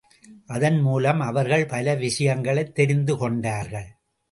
அதன் மூலம் அவர்கள் பல விஷயங்களைத் தெரிந்து கொண்டார்கள்.